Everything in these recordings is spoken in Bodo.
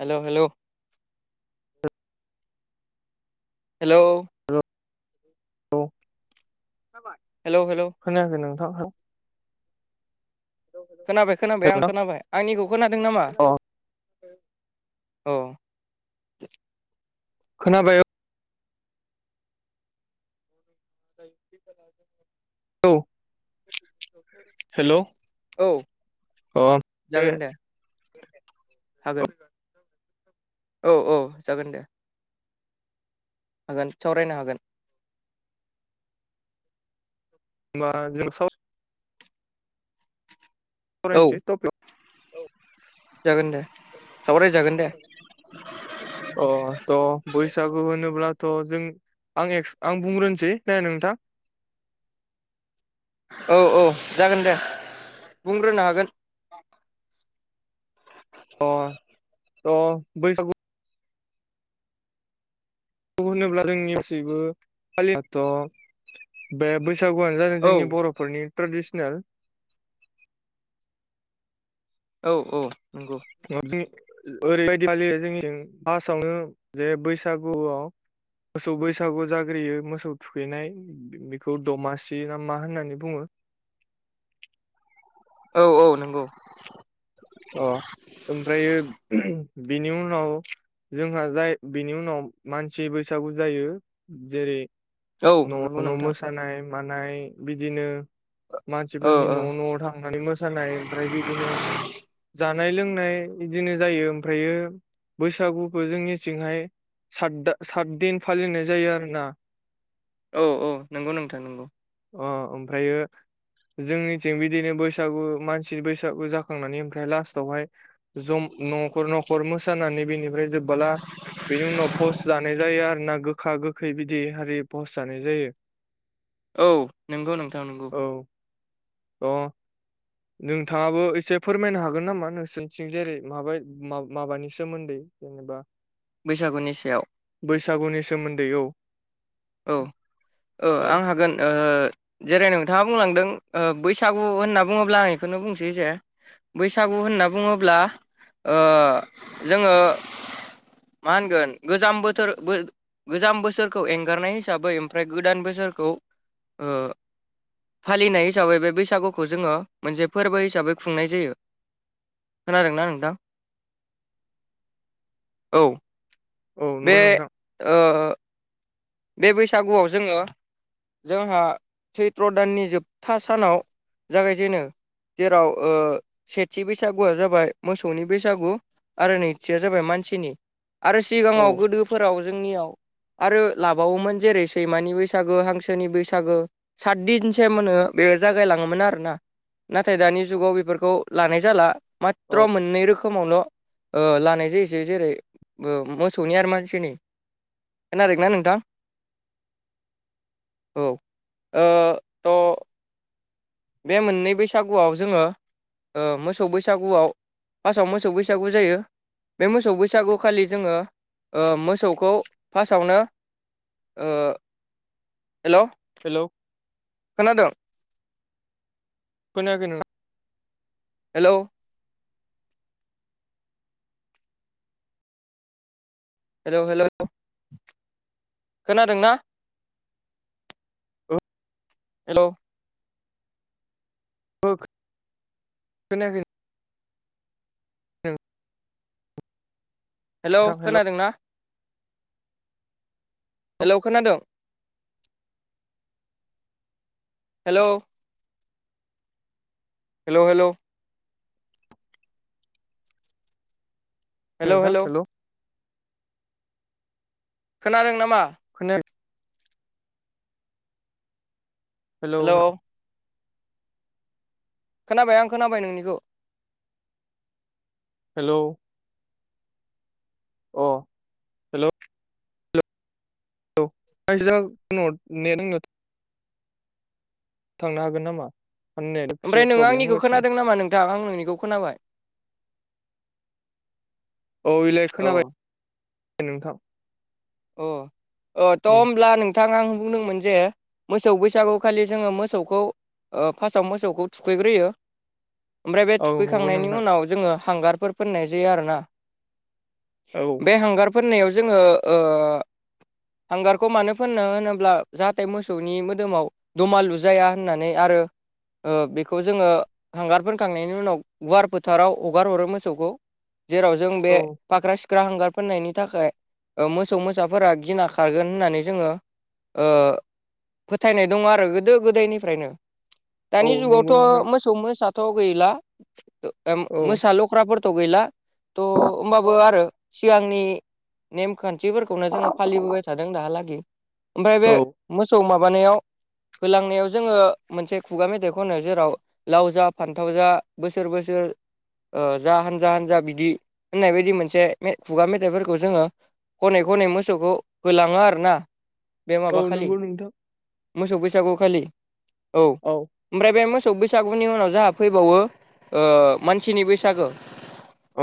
Hello hello. हेलौ। औ खोनाबाय? हेलौ हेलौ खोनायाखै नोंथां हो? खोनाबाय खोनाबाय आं खोनाबाय, आंनिखौ खोनादों नामा? अ [unintelligible] औ। खोनाबाय [unintelligible] औ। हेलौ औ अ जागोन दे [unintelligible] हागोन औ औ जागोन दे। हागोन सावरायनो हागोन। होनबा जों साव औ सावरायनोसै टपिगाव जागोन दे सावराय जागोन दे। अ त' बैसागु होनोब्ला थ' जों आं एक्स आं बुंग्रोनोसै ने नोंथां? औ औ जागोन दे बुंग्रोनो हागोन। [unintelligible] त' बैसागु गु होनोब्ला जोंनि गाखैबो [unintelligible] बे बै सागुआनो जादों औ जोंनि बर'फोरनि ट्रेडिसनेल औ औ। नंगौ [unintelligible] ओरैबायदि फालियो जोंनिथिं फार्सआवनो जे बैसागुआव मोसौ बैसागु जाग्रोयो मोसौ थुखैनाय बेखौ दमासि ना मा होननानै बुङो। औ औ नंगौ। अ ओमफ्रायो बेनि उनाव जोंहा जाय बिनि उनाव मानसि बैसागु जायो जेरै औ न' नंगौ न' नोंथां मोसानाय मानाय बिदिनो औ मानसिफोरनि औ न' न'आव थांनानै मोसानाय ओमफ्राय बिदिनो जान‌ नाय लोंनाय इदिनो जायो ओमफ्रायो बैसागुखो जोंनिथिंहाय साद दा सात दिन फालिनाय जायो आरोना। औ औ नंगौ नोंथां नंगौ। अ ओमफ्रायो जोंनिथिं बिदिनो बैसागु मानसि बैसागु जाखांनानै ओमफ्राय लास्टावहाय जमा न'खर न'खर मोसानानै बेनिफ्राइ बे जोबबोला बेनि उनाव पस्ट जानाय जायो आर ना गोखा गोखै बिदि हारि पस जानाय जायो औ नंगौ नोंथां नंगौ औ अ नोंथाङाबो एसे फोरमायनो हागोन नामा नोंसोरनिथिं जेरै माबा माबानि सोमोन्दै जेनेबा बैसागुनि सायाव बैसागुनि सोमोन्दै औ औ औ आं हागोन ओ जेरै नोंथाङा बुंलांदों ओ बैसागु होनना बुङोब्ला आं इखोनो बुंसै जे बैसागु होनना बुङोब्ला ओ जोङो मा होनगोन गोजाम बोथोर गोजाम बोसोरखौ एं गारनाय हिसाबै ओमफ्राय गोदान बोसोरखौ ओ फालिनाय हिसाबै बे बैसागुखौ जोङो मोनसे फोरबो हिसाबै खुंनाय जायो खोनादोंना नोंथां औ औ बे नंगौ नोंथां ओ बे बैसागुआव जोङो जोंहा सैत्र' दाननि जोबथा सानाव जागायजेनो जेराव ओ सेथि बैसागुआ जाबाय मोसौनि बैसागु आरो नैथिया जाबाय मानसिनि आरो औ सिगाङाव गोदोफोराव जोंनियाव आरो लाबावोमोन जेरै सैमानि बैसागो हांसोनि बैसागो सात दिनसेमनो बेयो जागायला मोन आरोना नाथाय दानि जुगाल बेफोरखौ लानाय जाला औ माथ्र मोननै रोखोम समालल' ओ लानाय जायोसै जेरै मोसौनि आरो मानसिनि खोनादोंना नों था औ ओ थ' बे मोननै बैसागुआव जोङो ओ मोसौ बैसागुआव फासआव मोसौ बैसागु जायो बे मोसौ बैसागुखालि जोङो मोसौखौ फासआवनो ओ हेलौ हेलौ खोनादों खोनायाखैनो हेलौ हेलौ हेलौ खोनादोंना हेलौ ओ खोनायाखै ओं हेलौ खोनादोंना हेलौ खोनादोंं हेलौ हेलौ हेलौ नोंथां हेलौ खोनादों नामा खोनायाख हेलौ खोनाबाय आं खोनाबाय नोंनिखौ हेलौ औ हेलौ [unintelligible] थांनो हागोन नामा नेट एसे ओमफ्राय नोंङो प्रब्लेम आंनिखौ होगासिनो खोनादों नामा नोंथां आं नोंनिखौ खोनाबाय औ इलाय औ खोनाबाय नोंथां अ थ' उम होमब्ला नोंथां आं बुंदोंमोन जे मोसौ बैसागु खालि जोङो मोसौखौ ओ फारआव मोसौखौ थुखैग्रोयो ओमफ्राय बे औ नंगौ थुखैखांनायनि नोंथां उनाव जोङो हांगारफोर फोननाय जायो आरोना औ बे हांगार फोननायाव जोङो ओ हांगारखौ मानो फोननो होनोब्ला जाहाथे मोसौनि मोदोमाव दुमालु जाया होननानै आं आरो ओ बेखौ जोङो हांगार फोनखांनायनि उनाव गुवार फोथाराव हगारहरो मोसौखौ जेराव जों बे औ फाख्रा सिख्रा हांगार फोननायनि थाखाय मोसौ मोसाफोरा गिना खारगोन होननानै जोङो फोथायनाय दङ आरो गोदो गोदायनिफ्रायनो औ दानि जुगावथ' नंगौ नोंथां मोसौ मोसाथ' गैला औ मोसा लख्राफोर गैला होमबाबो आरो सिगांनि नेम खान्थिफोरखौनो जोङो फालिबोबाय थादों दाहालागै ओमफ्राय बे औ मोसौ माबानायाव होलांनायाव जोङो मोनसे खुगा मेथाइ खनो जेराव लाव जा फान्थाव जा बोसोर बोसोर जा हानजा हानजा बिदि होननाय बायदि मोनसे खुगा मेथाइफोरखौ जोङो खनै खनै मोसौखौ होलाङो आरो ना बे औ माबा खालि नंगौ नोंथां मोसौ बैसागु खालि औ ओमफ्राय बे मोसौ मोसौ बैसागुनि उनाव जोंहा फैबावो मानसिनि बैसागो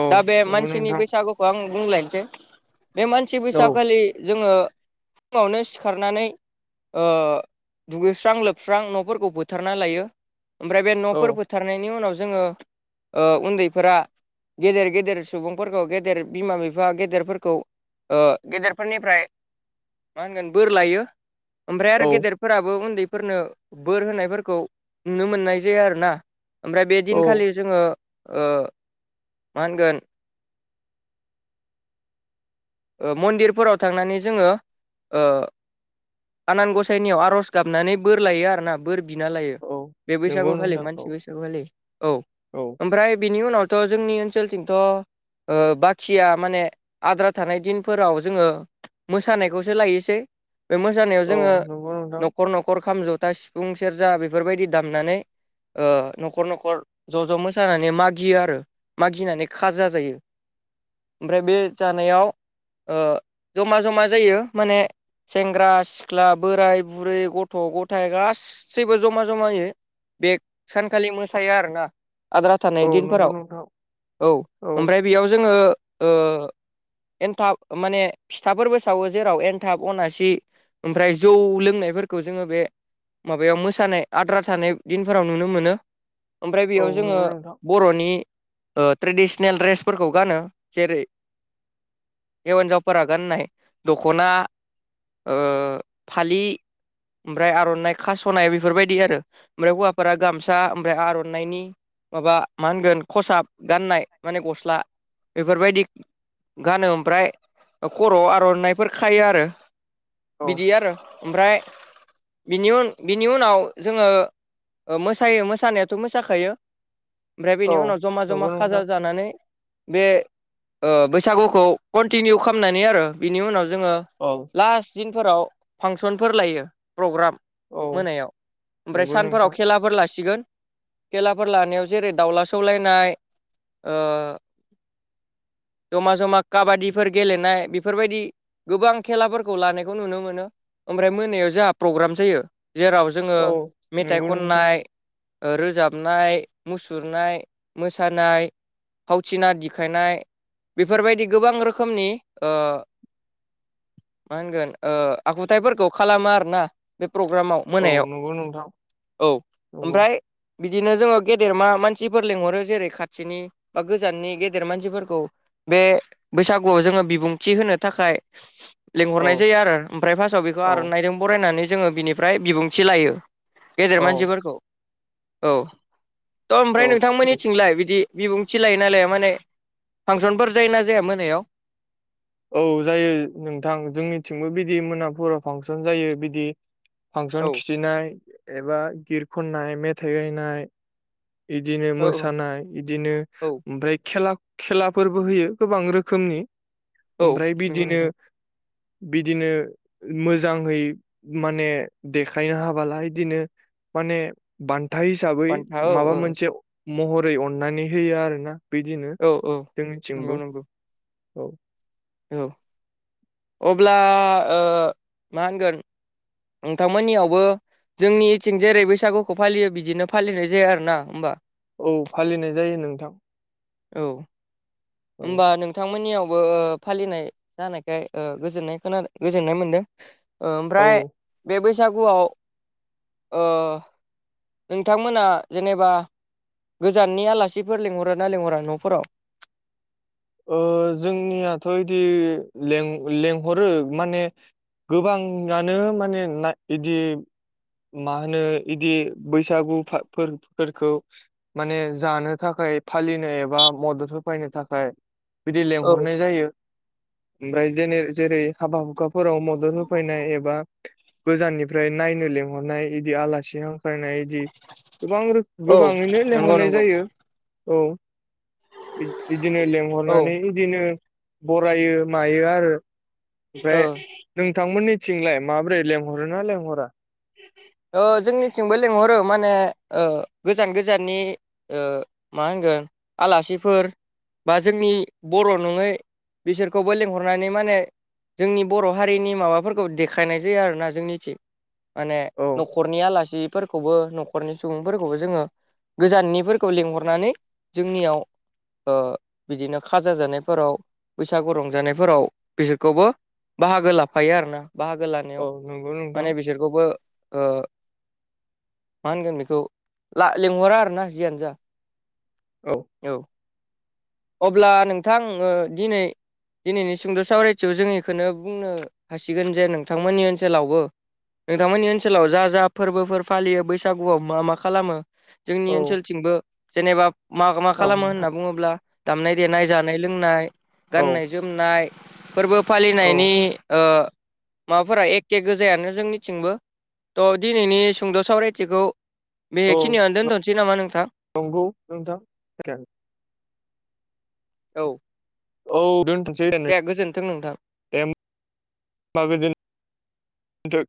औ दा बे नंगौ मानसिनि नोंथां बैसागुखौ आं बुंलायनोसै बे मानसि औ बैसागखालि जोङो फुङावनो सिखारनानै दुगैस्रां लोबस्रां न'फोरखौ फोथारना लायो ओमफ्राय बे औ न'फोर फोथारनायनि उनाव जोङो उन्दैफोरा गेदेर गेदेर सुबुंफोरखौ गेदेर बिमा बिफा गेदेरफोरखौ गेदेरफोरनिफ्राय मा होनगोन बोर लायो ओमफ्राय औ आरो गेदेरफोराबो उन्दै फोरनो बोर होनायफोरखौ नुनो मोननाय जायो आरोना ओमफ्राय बे दिनखालि जोङो मा होनगोन मन्दिरफोराव थांनानै जोङो आनान गसाइनियाव आर'ज गाबनानै बोर लायो आरोना बोर बिना लायो औ बे बैसागु नंगौ खालि नोंथां मानसि औ बैसागु खालि औ ओमफ्राय बिनि उनाव जोंनि ओनसोलथिंथ' बाखिया माने आद्रा थानाय दिनफोराव जोङो मोसानायखौसो लायोसै बे मोसानायाव औ जोङो नंगौ नोंथां न'खर न'खर खाम जथा सिफुं सेरजा बेफोरबायदि दामनानै न'खर न'खर ज' ज' मोसानानै मागियो आरो मागिनानै खाजा जायो ओमफ्राय बे जानायाव जमा जमा जायो माने सेंग्रा सिख्ला बोराय बुरै गथ' गथाय गासैबो जमा जमा होयो बे सानखालि मोसायो आरोना आद्रा थानाय औ नंगौ दिनफोराव नोंथां औ ओमफ्राय बेयाव जोङो एन्थाब माने फिथाफोरबो सावो जेराव एनथाब अनासि ओमफ्राय जौ लोंनायफोरखौ खौ जोङो बे माबायाव मोसानाय आद्रा थानाय दिनफोराव नुनो मोनो ओमफ्राय औ बेयाव जोङो नंगौ नोंथां बर'नि ट्रेडिसनेल ड्रेसफोरखौ गानो जेरै हिन्जावफोरा गाननाय दख'ना फालि ओमफ्राय आर'नाइ खास'नाय बेफोरबायदि आरो ओमफ्राय हौवाफोरा गामसा ओमफ्राय आर'नाइनि माबा मा होनगोन खसाब गाननाय माने गस्ला बेफोरबायदि गानो ओमफ्राय खर' आव आर'नाइफोर खायो आरो औ बिदि आरो ओमफ्रायनि उन बिनि उनाव जोङो मोसायो मोसानायाथ' मोसाखायो ओमफ्राय बेनि औ उनाव जमा जमा नंगौ खाजा नोंथां जानानै बे बै बैसागुखौ कन्टिनिउ खालामनानै आरो बिनि उनाव जोङो औ लास्ट दिनफोराव फांसनफोर लायो प्रग्राम औ मोनायाव ओमफ्राय नंगौ सानफोराव नोंथां खेलाफोर लासिगोन खेलाफोर लानायाव जेरै दाउला सौलायनाय जमा जमा काबादिफोर गेलेनाय बेफोरबायदि गोबां खेलाफोरखौ लानायखौ नुनो मोनो ओमफ्राय मोनायाव जोंहा प्रग्राम जायो। जेराव जोङो औ मेथाइ नंगौ नोंथां खननाय ओ रोजाबनाय मुसुरनाय मोसानाय फावथिना दखायनाय बेफोरबायदि गोबां रोखोमनि ओ मा होनगोन आखुथायाइफोरखौ खालामा आरो ना बे प्रग्रामाव औ मोनायाव नंगौ नोंथां औव नंगौ ओमफ्राय बिदिनो जोङो गेदेर मा मानसिफोर लेंंहरो जेरै खाथिनि बा गोजाननि गेदेर मानसिफोरखौ। बे बैसागुआव जोङो बिबुंथि होनो थाखाय औ लिंहरनाय जायो आरो ओमफ्राय फार्स्टआव बेखौ औ आर'नाइजों बरायनानै जोङो बिनिफ्राय बिबुंथि लायो। गेदेर औ मानसिफोरखौ औव थ' ओमफ्राय औ नोंथांमोननिथिंलाय बिदि बिबुंथि लायो नालाया माने फांसनफोर जायो ना जाया मोनायाव। औव जायो नोंथां जोंनिथिंबो बिदि मोनाफुराव फांसन जायो बिदि फांसन औ खिथिनाय एबा गित खननाय मेथाइ गायनाय इदिनो औ मोसानाय इदिनो औ ओमफ्राय खेला खेलाफोरबो होयो गोबां रोखोमनि औ ओमफ्राय नंगौ बिदिनो नोंथां बिदिनो मोजाङै माने देखाय हाबालाहोयो बिदिनो माने बान्था हिसाबै बान्था औ माबा औ मोनसे महरै अननानै होयो आरो ना। बिदिनो औ औ जोंनिथिंबो औव। औव अब्ला ओ मा होनगोन नोंथांमोननियावबो जोंनि इथिं जेरै बैसागुखौ फालियो बिदिनो फालिनाय जाया आरो ना होमबा। औव फालिनाय जायो नोंथां। औव औ होनबा नोंथांमोननियाव बो फालिनाय जानायखाय ओ गोजोननाय खोनादों गोजोननाय मोनदों। ओ औ ओमफ्राय बे बैसागुआव ओ नोंथांमोना जेनेबा- गोजाननि आलासिफोर लेंहर ना लेंहरा न'फोराव। ओ जोंनियाथ' इदि लें लेंहरो माने गोबाङानो माने ना बिदि मा होनो इदि बैसागु फोरफोरखौ माने जानो थाखाय थाखाय फालिनो एबा मदद होफैनो थाखाय बिदि औ लेंंहरनाय जायो ओमफ्राय ज जेरै हाबा हुखा फोराव मदद होफैनाय एबा गोजाननिफ्राय नायनो लिंहरनाय इदि आलासि हां फायनाय इदि गोबां‌ रो औ गोबाङैनो नंगौ लेंंहरनाय नंगौ जायो। औव इदिनो औ लेंहरनानै इदिनो बरायो मायो आरो ओ ओमफ्राय नोंथांमोननि थिंलाय माबोरै लेंहर ना लेंहरा। उ [unintelligible] ओ जोंनिथिंबो लेंंहरो माने ओ गोजान गोजाननि ओ मा होनगोन आलासिफोर बा जोंनि बर' नङै बिसोरखौबो लेंंहरनानै माने जोंनि बर' हारिनि माबाफोरखौ देखायनाय जायो आरोना जोंनिथिं। माने औ न'खरनि आलासिफोरखौबो न'खरनि सुबुंफोरखौबो जोङो गोजाननिफोरखौ लिंहरनानै जोंनियाव ओ बिदिनो खाजा जानायफोराव बैसागु रंजानायफोराव बिसोरखौबो बाहागो लाफायो आरोना बाहागो लानायाव औ नंगौ नोंथां माने बिसोरखौबो ओ मा होनगोन बेखौ ला लेंंहरा आरोना जियानो जा। औ औव अब्ला नोंथां ओ दिनै दिनैनि सुंद' सावरायथियाव जों बेखौनो बुंनो हासिगोन जे नोंथांमोननि ओनसोलावबो। नोंथांमोननि ओनसोलाव जा जा फोरबोफोर फालियो बैसागुआव मा मा खालामो जोंनि औ ओनसोलथिंबो जेनेबा मा मा औ खालामो होनना नोंथां बुङोब्ला दामनाय देनाय जानाय लोंनाय औ गाननाय जोमनाय फोरबो औ फालिनायनि माबाफोरा एखे गोजायानो जोंनिथिंबो त' दिनैनि सुंद' सावरायथिखौ औ बेहखिनियावनो दोनथ'नोसै नामा नोंथां स औ औ दन्थसै दे गोजोन्थों नोंथां ए होनबाब बेथ